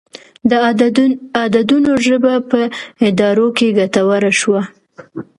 د عددونو ژبه په ادارو کې ګټوره شوه.